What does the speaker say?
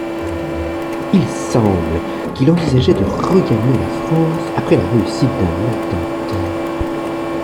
Il semble qu'il envisageait de regagner la France après la réussite d'un attentat.